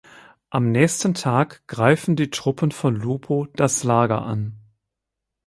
Am nächsten Tag greifen die Truppen von Lupo das Lager an.